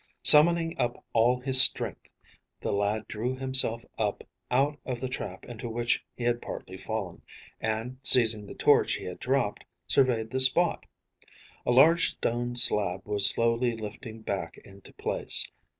Summoning up all his strength, the lad drew himself up out of the trap into which he had partly fallen, and, seizing the torch he had dropped, surveyed the spot. A large stone slab was slowly lifting back into place.